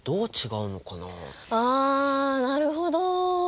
あなるほど。